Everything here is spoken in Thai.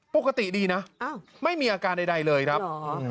ปกติดีนะไม่มีอาการใดเลยครับ